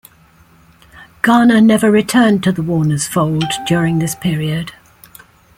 Garner never returned to the Warner's fold during this period.